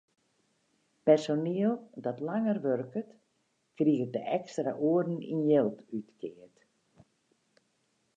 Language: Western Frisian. Personiel dat langer wurket, kriget de ekstra oeren yn jild útkeard.